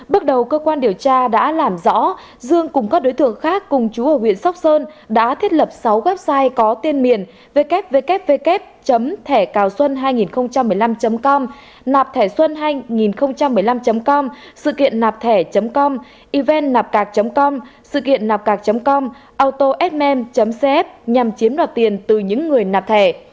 bước đầu cơ quan điều tra đã làm rõ dương cùng các đối tượng khác cùng chú ở huyện sóc sơn đã thiết lập sáu website có tiên miệng www thẻcaosun hai nghìn một mươi năm com nạpthẻxuan hai nghìn một mươi năm com sự kiện nạpthẻ com eventnạpcạc com sự kiện nạpcạc com auto fm cf nhằm chiếm đoạt tiền từ những người nạp thẻ